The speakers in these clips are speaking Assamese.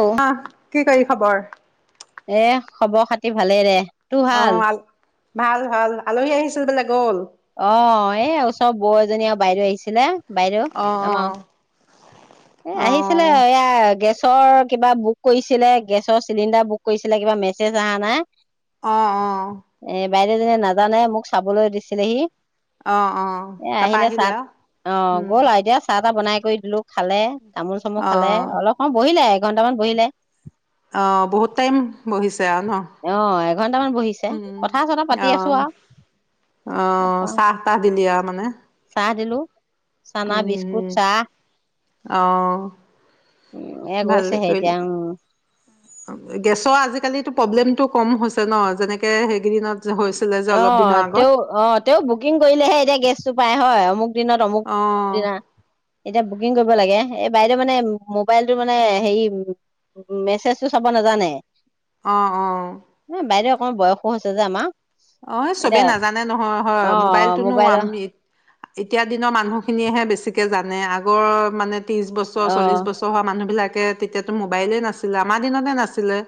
অও। আঁহ কি কৰি খাব আৰু? এহ খবৰ খাতি ভালেই দে। তোৰ ভাল অঁ' আল ভাল ভাল, আলহী আহিছিল বোলে গল। অঁ' এ ওচৰ বৌ এজনী আৰু বাইদেউ আহিছিলে। বাইদেউ অ অ আমাৰ, এ অ আহিছিলে এয়া গেছ- ছৰ কিবা বুক কৰিছিলে গেছৰ চিলিণ্ডাৰ বুক কৰিছিলে, কিবা মেছেজ অহা নাই। অঁ' অঁ'। এ বাইদেউ জনীয়ে নাজানে, মোক চাবলৈ দিছিলেহি। অঁ' অঁ'। এ আহিলে চাত, অঁ গ'ল আৰু এতিয়া- চাহ তাহ বনাই কৰি দিলো খালে, তামোল চামোল অ খালে, অলপ সময় বহিলে এঘন্টামান বহিলে। অঁ' বহুত টাইম বহিছে আৰু ন? অঁ' এঘন্টামান বহিছে, কথা চথা পাতি আছো আও। অঁ' চাহ তাহ দিলি আও মানে? চাহ দিলো, চানা বিস্কুট চাহ। অঁহ' উম এ ভালে গৈছেহে কৰি এতিয়া লি। উম গেছৰ আজিকালিটো প্ৰব্লেমতটো কম হৈছে ন, যেনেকে সেইকেইদিনত- যে হৈছিলে - অ তেওঁ অ - তেওঁ বুকিং কৰিলেহে এতিয়া গেছটো পায় হয় অমুক দিনত অমুক অ দিনা। এতিয়া বুকিং কৰিব লাগে এই বাইদেউ মানে মোবাইলটো মানে হেৰি - মেছেজটো চাব নেজানে। অ অ। এ বাইদেউ অকণ বয়সো হৈছে যে আমাৰ। অ চবেই এতিয়া নাজানে নহয় হয় অ মোবাইলটোনো মোবাইলৰ আমি - এতিয়া দিনৰ মানুহখিনিয়েহে বেছিকে জানে আগৰ মানে ত্ৰিশ বছৰ অ চল্লিশ বছ ৰ মানুহ বিলাকে তেতিয়াতো মোবাইলে নাছিলে আমাৰ দিনতে নাছিলে।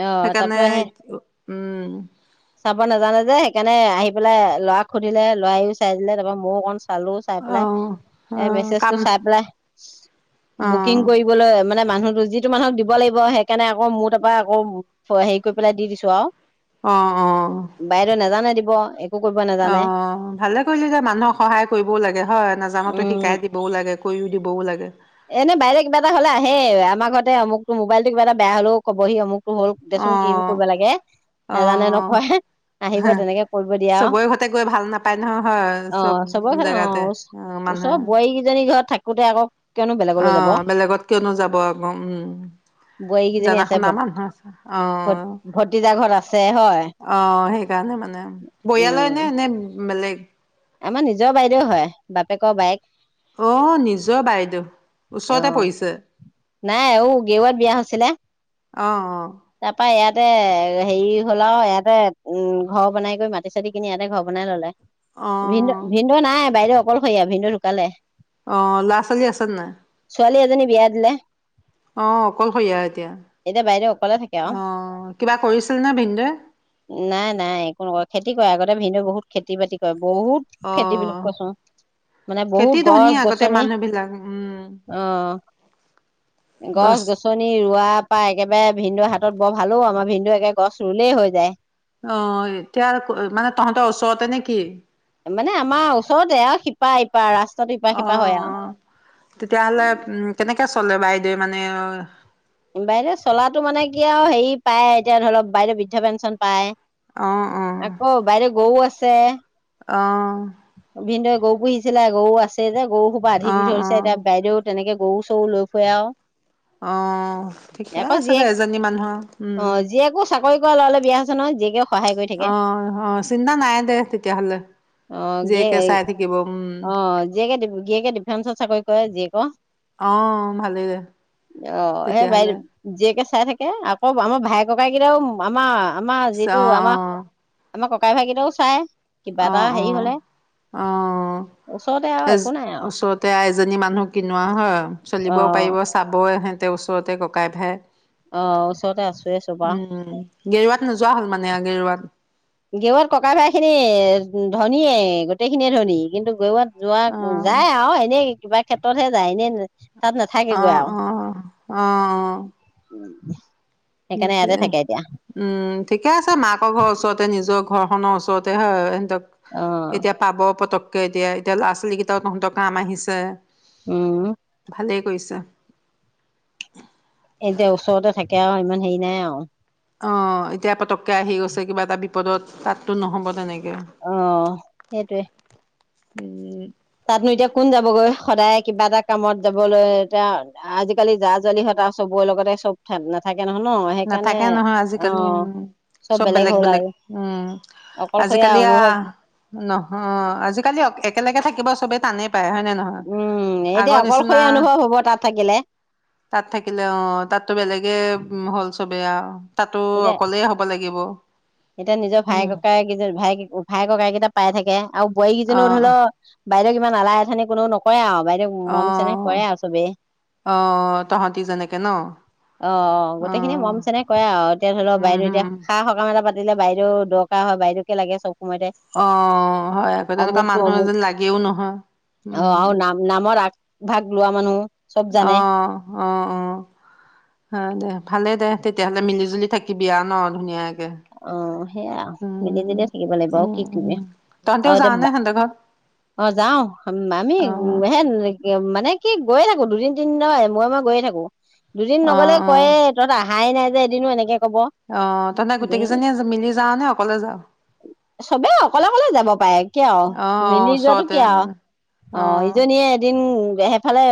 অ সেইকাৰণে তাৰপৰা সেই উম। চাব নেজানে যে সেইকাৰণে আহি পেলাই লৰাক সুধিলে লৰাইও চাই দিলে তাৰপৰা মইও অকন - চালো চাই অ অ পেলাই কাম মেছেজটো চাই পেলাই, অ বুকিং কৰি বলৈ মানে মানুহটো যিটো মানুহক দিব লাগিব সেইকাৰণে আকৌ মোৰ তাৰ পৰা আকৌ - হেৰি কৰি পেলাই দি দিছো আও। অ অ। বাইদেউয়ে নেজানে দিব। কৰিব অ নাজানে ভালে কৰিলি দে মানুহক সহায় কৰিবও লাগে হয় নজনাটো উম শিকাই দি বও লাগে কৰিও দিবও লাগে। এনেই বাইদেউয়ে কিবা এটা হলে আহে আমাৰ ঘৰতে আমুকটো মোবাইলটো কিবা এটা বেয়া হলেও কবহি অমুক - টো হ'ল অ দেচোন কিং কৰিব লাগে। নেজানে নকয় আহিব অ তেনেকে কৰিব দিয়ে আও চবৰে ঘৰতে গৈ ভাল নাপায় নহয় হয় অ। চব চবৰ ঘৰত অ জেগাতে অ মানুহে ওচৰৰ বোৱাৰীকেইজনী ঘৰত থাকোতে আকৌ - অ বেলেগত কিয়নো যাব আকৌ উম। বোৱাৰীকেইজনী জানা আছে ভ শুনা মানুহ আছে অঁ। ভতিজা ঘৰত আছে হয় অ সেইকাৰণে মানে, উম পৰিয়ালৰ নে এনেই বেলেগ? আমাৰ নিজৰ বাইদেউও হয় বাপেকৰ বায়েক। অ নিজৰ বাইদেউ অ ওচৰতে পৰিছে। নাই ও গেৱাত বিয়া হৈছিলে। অ তাৰ পৰা ইয়াতে হেৰি হল আও ইয়াতে উম ঘৰ বনাই কৰি মাটি চিতি কিনি ইয়াতে ঘৰ বনাই ললে। অ অ ভিনদেউ ভিনদেউ নাই বাইদেউ অকলশৰীয়া ভিনদেউ ঢুকালে। অ ল'ৰা-ছোৱালী আছে নাই? ছোৱালী এজনী বিয়া দিলে। অ অকলশৰীয়া এতিয়া, এতিয়া বাইদেউ অকলে থাকে আৰু অ কিবা কৰিছিল নে ভিনদেউৱে? নাই নাই একো নকৰে খেতি কৰে আগতে ভিনদেউ বহুত খেতি বাতি কৰে বহুত অ - খেতি বুলি কৈছোং। মানে বহুত খেতি ধনী গছ আগতে গছনি মানুহ বিলাক উম অ। গছ গছ ছনি ৰোৱা পা একেবাৰে ভিনদেউ হাতত বৰ ভালোও আমাৰ ভিনদেউ একে গছ ৰুলেই হৈ যায়। অ এতিয়া মানে তহঁতৰ ওচৰতে নেকি? মানে আমাৰ ওচৰতে আও সিপাৰ ইপাৰ ৰাস্তাতো ইপাৰ অ সিপাৰ হয় অ আও। তেতিয়াহ'লে উ কেনেকে চলে বাইদেউৱে মানে? বাইদেউ চলাটো মানে কি আৰু হেৰি পায় এতিয়া ধৰি লওক বাইদেউ বৃদ্ধ পেঞ্চন পায়। অ অ। আকৌ বাইদেউ গৰু আছে। অ'। ভিনদেউ গৰু পুহিছিলে, গৰু আছে যে, গৰু সোপা আধি অ দি অ থৈছে এতিয়া বাইদেউ তেনেকে গৰু, চৰু লৈ ফুৰে আউ। অ', ঠিকে আছে দে, জীয়েক এজনী মানুহ আউ অ উম। জীয়েকো চাকৰি কৰা ল'ৰালে বিয়া হৈছে নহয়, জীয়েকে সহায় কৰি থাকে অ', অ', চিন্তা নাই দে তেতিয়াহ'লে। অ', গে জীয়েকে এই চাই থাকিব উম। অ', জীয়েকে গিয়েকে ডিফেন্সত চাকৰি কৰে জীয়েকৰ। অ', ভালে দে অ সেই তেতিয়াহ'লে। বাইদেউ জীয়েকে চাই থাকে, আকৌ আমাৰ ভাই ককাই কেইটাও আমাৰ-আমাৰ যিটো অ আমাৰ আমাৰ ককাই ভাইকেইটাও চাই। কিবা এটা অ', হেৰি অ', হলে অ'। ওচৰতে আৰু এ একো নাই আৰু ওচৰতে এজনী মানুহ কিনো আৰু হয় চলিব অ পাৰিব। চাব এহেঁতেও ওচৰতে ককাই, ভাই। অ', ওচৰতে আছোয়ে চব আউ। উম গেৰুৱাত নোযোৱা হ'ল মানে আ গেৰুৱাত। গেৰুৱাত ককা ভাইখিনি ধনীয়ে, গোটেই খিনিয়ে ধনী কিন্তু গেৰোৱাত যোৱা অ যায় আৰু, এনেই কিবা ক্ষেত্ৰতহে যায় এনেই তাত নেথাকে অ গৈ আউ। অ অ [unintelligible] উম, ঠিকে আছে মাকৰ ঘৰৰ ওচৰতে নিজৰ ঘৰখনৰ ওচৰতে হয়, এহেঁতক অ এতিয়া পাব পতককে এতিয়া, এতিয়া ল'ৰা ছোৱালী কেইটাও তহঁতৰ কাম আহিছে। উম। ভালেই কৰিছা। এইটোৱে ওচৰতে থাকে আৰু ইমান হেৰি নাই আৰু। অ', এতিয়া পতককে আহি গৈছে কিবা এটা বিপদত, তাততো নহ'ব তেনেকে। অ', সেইটোৱে। উম। তাতনো এতিয়া কোন যাবগৈ সদায় কিবা এটা কামত যাবলৈ এতিয়া। আজিকালি জা জোৱালিহঁত আৰু চবৰে লগতে চব থা নাথাকে নহয় ন? সেইকাৰণে নাথাকে নহয় আজিকালি উম অ'। চব বেলেগ হ'ল আৰু অকলশৰীয়া আজিকালি অনুভৱ। আহ নহয়, আজিকালি অক-একেলগে থাকিব চবেই টানেই পায় হয়নে ন উম, এতিয়া অকলশৰীয়া অনুভৱ হ'ব তাত থাকিলে। তাত থাকিলে অ', তাতো বেলেগে হ'ল চবেই আউ। তাতো এতিয়া অকলেই হ'ব লাগিব উম। কেইজন ভাইকে ভাই ককাই কেইটা পাই থাকে আৰু বোৱাৰী অ কিজনীয়ো ধৰি ল' বাইদেউক ইমান আলাই আথানি কোনো নকৰে আৰু, বাইদেউক অ মৰম চেনেহ কৰে আৰু চবেই। অ তহঁতি যেনেকে ন অ', গোটেইখিনি মৰম চেনেহ কৰে আৰু। এতিয়া ধৰি ল' উম বাইদেউ হম এতিয়া সা সকাম এটা পাতিলে বাইদেউ দৰকাৰ হয়, বাইদেউকে লাগে চব সময়তে। অ', হয়, আকৌ তেনেকুৱা অমুকটো মানুহ অমুক এজনী লাগেও নহয় উম। নামৰ আগ ভাগ লোৱা মানুহ। চব জানে অ', অ', অ'। হয় দে ভালে দে তেতিয়াহ'লে মিলি জুলি থাকিবি আৰু ন' ধুনীয়াকে। অ', সেইয়া আৰু মিলি উম জুলিয়ে থাকিব লাগিব আৰু উম কি উম কৰিব, তহঁতেও আৰু যাৱনে এতিয়া সিহঁতৰ ঘৰত অ', যাওঁ, আমি অ উম হে মানে কি গৈয়ে থাকো, দুদিন তিনিদিনৰ মোৰে মোৰে গৈয়ে থাকো, দুদিন অ নগ'লে অ কয়ে তহঁত আহাই নাই যে এদিনো কব। অ', তহঁতে গোটেই দুদিন কেইজনী মিলি যাওঁ নে অকলে যাওঁ? চবেই অকলে অকলে যাব পাৰে কিয় অ আৰু অ মিলি যোৱাটো ওচৰতে কি আৰু মানে অ', ইজনীয়ে এদিন সেইফালে,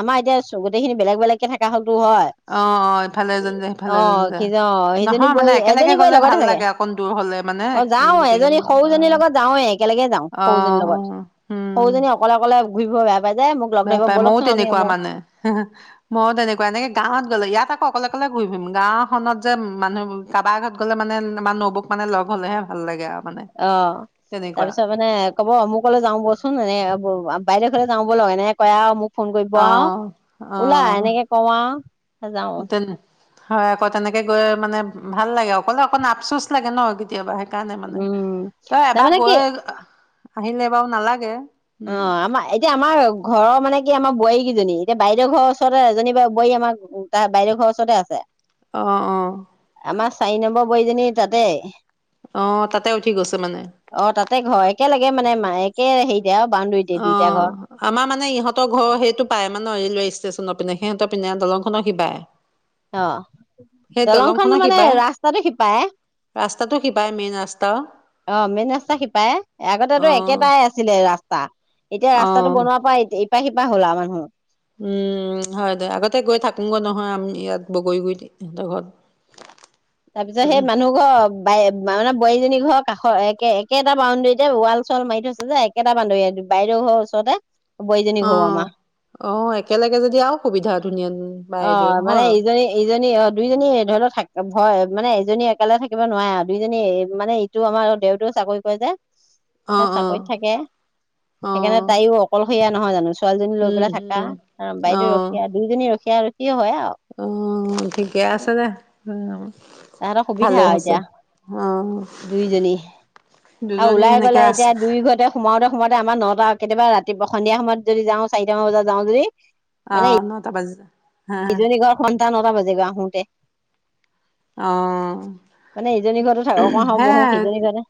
আমাৰ এতিয়া গোটেই খিনি বেলেগ বেলেগ কে থকা হ'লতো হয়। অ অ ইফালে এজনী যায় সিফালে এজনী অ', যায় কিজ সিজনী নহয় মানে বোৱাৰী এক একেলগে নী বোৱাৰী গ'লে লগতে ভাল থাকে, লাগে অকণ দূৰ হ'লে মানে অ' যাওঁ এজনী গোটেইকেইজনী অ সৰুজনীৰ লগত যাওঁৱে একেলগে যাওঁ, অ অ সৰুজনীৰ লগত। উম সৰুজনী অকলে অকলে ঘূৰি ফুৰিব বেয়া পাই যে মোক লগ বেয়া ধৰিব পায়, ময়ো বলকচোন আমি তেনেকুৱা অমুক মানে। ময়ো তেনেকুৱা এনেকে গাঁৱত গ'লে, ইয়াত আকৌ অকলে অকলে ঘূৰি ফুৰিম, গাওঁখনত যে মানুহ কাবাৰ ঘৰত গ'লে মানে আমাৰ নবৌক মানে লগ হ'লেহে ভাল লাগে আৰু। মানে অ', তেনেকুৱা তাৰপিছত মানে কব অমুকলে যাওঁ ব'লচোন, এনেকে বাইদেউে ঘৰলে যাওঁ বলক এনেকে কয় আৰু মোক ফোন কৰিব আৰু, অঁ ওলা অঁ এনেকে কওঁ আৰু যাওঁ। তেনে হয়, আকৌ তেনেকে গৈ মানে ভাল লাগে অকলে অকলে আপচোচ লাগে ন কেতিয়াবা সেইকাৰণে মানে, উম। তই এবাৰ তাৰমানে গৈ কি আহিলে বাৰু নালাগে। অ', উম আমাৰ এতিয়া আমাৰ ঘৰৰ মানে কি আমাৰ বোৱাৰী কেইজনী, এতিয়া বাইদেউ ঘৰৰ ওচৰতে এজনী বা বোৱাৰী আমাৰ বাইদউৰ ঘৰৰ ওচৰতে আছে। অ', অ'। আমাৰ চাৰি নম্বৰ বোৱাৰীজনী তাতে। অ', তাতে উঠি গৈছে মানে। অ', তাতে ঘৰ, একেলগে মানে ম একে হেৰিতে আৰু অ বাউণ্ডৰীটে দুইটা ঘৰ। আমাৰ মানে ইহঁতৰ ঘৰ সেইটো পাৰে মানে ন, ৰেলৱেষ্টচনৰ পিনে সিহঁতৰ পিনে দলংখনৰ সিপাৰে। [inaudible] অ', সেই দলংখন দলংখনৰ মানে সিপাৰে ৰাস্তাটো সিপাৰে। ৰাস্তাটো সিপাৰে মেইন ৰাস্তা। অ', মেইন ৰাস্তা সিপাৰে অ আগতেতো একেটাই আছিলে ৰাস্তা। এতিয়া অ ৰাস্তাটো বনোৱাৰ পৰা ইপাৰ সিপাৰ হ'ল আৰু মানুহ। উম হয় দে আগতে গৈ থাকো গৈ নহয়, আমি ইয়াত বগৰী গুৰিত সিহঁতৰ ঘৰত। [inaudible] তাৰপিছত সেই মানুহ ঘৰ বা মানে বোৱাৰীজনীৰ ঘৰ কাষৰ একে একে এটা বাউণ্ডেৰীতে ৱাল চাল মাৰি থৈছে যে কেটা বাউণ্ডেৰীৰে বাইদেও ঘৰ ওচৰতে, বোৱাৰীজনীৰ অ ঘৰো আমাৰ। অ', একেলগে যদি আৰু সুবিধা ধুনীয়া উম, অ বাইদেউৰ। মানে ইজনী ইজনী অ' দুইজনী এই ধৰণৰ থাকে হয়, মানে এজনী অকেলে থাকিব নোৱাৰে আৰু দুইজনী মানে ইটো আমাৰ দেউৰটোও চাকৰি কৰে যে। অ অ চাকৰিত থাকে, অ সেইকাৰণে তাইও অকলশৰীয়া নহয় জানো ছোৱালীজনী লৈ উম পেলাই থাকা, উম অ বাইদেউ ৰখীয়া দুইজনী ৰখীয়া ৰখি হয় আৰু। অ', ঠিকে আছে দে। তাহঁতৰ সুবিধা ভালেই আৰু হৈছে এতিয়া, অ দুইজনী। আও দুজনী ওলাই সেনেকে পেলাই আছে এতিয়া দুই ঘৰতে সোমাওঁতে সোমাওঁতে আমাৰ নটা কেতিয়াবা ৰাতি সন্ধিয়া সময়ত যদি যাওঁ চাৰিটামান বজাত যাওঁ যদি অ নটা বাজি যায়। হা ইজনী ঘৰত সোমাওতে নটা বাজে গৈ আহোতে। অ' মানে ইজনী ঘৰতো থাক অকমান সময় হে বহো সিজনী ঘৰতো।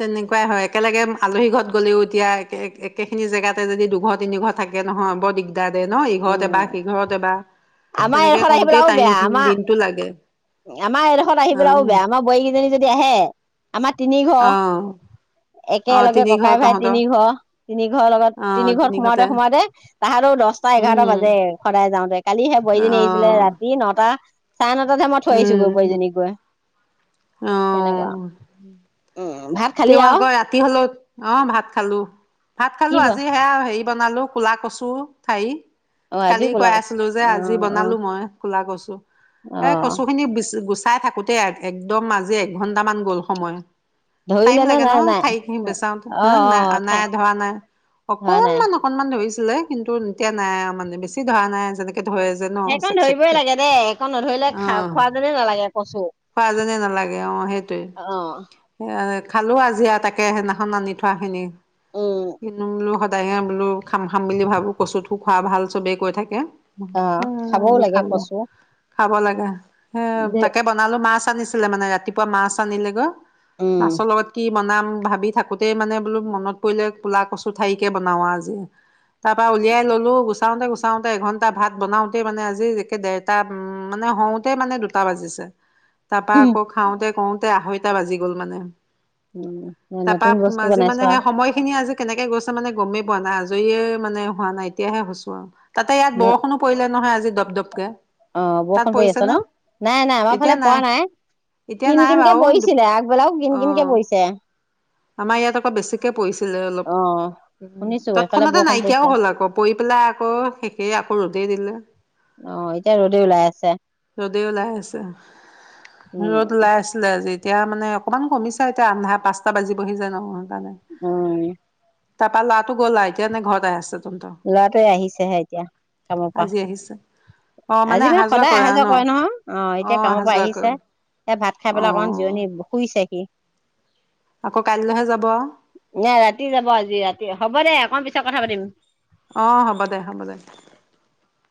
তেনেকুৱাই হয় একেলগে আলহী ঘৰত গ'লেও এতিয়া এক একেখিনি জেগাতে যদি দুঘৰ তিনি ঘৰ থাকে নহয় বৰ দিগদা দাৰ দে ন ইঘৰত উম এবাৰ সিঘৰত এবাৰ আমাৰ তেনেকে এইডোখৰত আহি পেলাই কৰোতেই আৰু বেয়া টাইমখিন আমাৰ দিনটো লাগে। আমাৰ এডোখৰত আহি পেলাইও অ' বেয়া আমাৰ বোৱাৰীকেইজনী যদি আহে আমাৰ তিনি অ' ঘৰ। অ' একেলগে তিনি ঘৰ ককাই-ভাই তহঁতৰ তিনি ঘৰ। তিনি ঘৰৰ লগত তিনি অ' ঘৰত ঘৰতে সোমাওঁতে সোমাওঁতে তাহাতৰো দচটা এঘাৰটা উম বাজে। সদায় যাওঁতে। কালি সেই বোৱাৰীজনী আহিছিলে অ' ৰাতি নটা চাৰে নটাতহে মই থৈ আহিছোগৈ উম বোৱাৰীজনীক গৈ। তেনেকুৱা। অ' উম ভাত খালি তেওঁ আৰু আকৌ ৰাতি হ'লেওঁ অ ভাত খালো। ভাত কি খালো ব আজি সেয়া হেৰি বনালো কুলা কচুৰ ঠাৰী। অ আজিও কালি কলা কৈ ক আছিলো যে অ আজি অ বনালোঁ মই কুলা কচু। অ এই কচুখিনি বিচ গুচাই থাকোতেই একদম আজি এঘন্টামান গ'ল সময়। টাইম ধৰিলে নে লাগে ন নাই নাই ঠাৰীখিনি বেচাওতে, অ হা অ নাই ঠাই নাই ধৰা নাই ধৰা নাই অকনমান অক অকনমান ধৰিছিলে কিন্তু এতিয়া নাই আও মানে বেছি ধৰা নাই যেনেকে ধৰে যে ন সেইকণ চেক ধৰিবই চেককে লাগে দে সেইকণ নধৰিলে খা খোৱা যেনেই নালাগে কচু। যেনেই নালাগে অ সেইটোৱে। অ এ খালো আজি আও তাকে সেইদিনাখন আনি থোৱা খিনি। উম বোলো সদায়হে বোলো খাম খাম বুলি ভাবো কচুটো খোৱা ভাল চবেই কৈ থাকে। উম অ খাবও আজি লাগে খালো। কচু খাব লাগে। হ দে তাকে বনালো মাছ আনিছিলে মানে ৰাতিপুৱা মাছ আনিলেগৈ। উম মাছৰ লগত কি বনাম ভাবি থাকোতেই মানে বোলো মনত পৰিলে কুলা কচুৰ ঠাৰীকে বনাও আজি। তাৰপা উলিয়াই ল'লো গুচাওঁতে গুচাওঁতে এঘণ্টা, ভাত বনাওঁতেই মানে আজি একে দেৰ টা উম মানে হওঁতে মানে দুটা বাজিছে। তাৰপা আকৌ খাওঁতে কৰোঁতে আঢ়ৈটা বাজি গ'ল মানে। উম তাৰপা নতুন বস্তু আজি বনাইছো মানে সেই সময়খিনি আজি কেনেকে গৈছে মানে গমেই পোৱা নাই, আজৰিয়ে মানে হোৱা নাই এতিয়াহে হৈছো আৰু। তাতে ইয়াত আৰু বৰষুণো পৰিলে নহয় আজি দপ দপকে। অ তাত বৰষুণ পৰি আছে পৰিছেনে ন। নাই নাই আমাৰ ফালে পৰা নাই। এতিয়া কিন নাই কিনকে বাৰু পৰিছিলে আগবেলাও কিন অ কিনকে পৰিছে। আমাৰ ইয়াত আকৌ বেছিকে পৰিছিলে অলপ। অ শুনিছো এফালে তৎক্ষণাতে বৰষুণ পৰিছে নাইকিয়াও হ'ল আকৌ পৰি পেলাই আকৌ শেষেই আকৌ ৰ'দেই দিলে। অ, এতিয়া ৰ'দে ওলাই আছে ৰ'দেই ওলাই আছে, উম, ৰ'দ ওলাই আছ লে আজি এতিয়া মানে অকণমান কমিছে আও এতিয়া আন্ধাৰ পাঁচটা বাজিবহি যে ন সেইকাৰণে। অ। তাৰপা ল'ৰাটো গ'ল আও এতিয়া নে ঘৰতে আছে? তহঁতৰ ল'ৰাটো এইয়া আহিছেহে এতিয়া কামৰ পা। আজি আহিছে। অ মানে অহা আজিকালি যোৱা সদায় আৰু অহা-যোৱা ন কৰে নহয় অ, এতিয়া কামৰ অহা পৰা যোৱা কৰে আহিছে। এতিয়া ভাত খাই অ পেলাই অকণ জিৰণি শুইছে হি আকৌ কাইলৈহে যাব আৰু নাই ৰাতি যাব আজি ৰাতি হ'ব দে অকণ পিছত কথা পাতিম অ হ'ব দে হ'ব দে